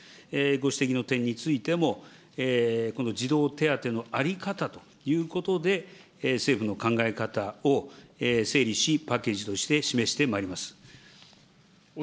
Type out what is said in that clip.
ご指摘の点についても、この児童手当の在り方ということで、政府の考え方を整理し、パッケージとして示してまいります。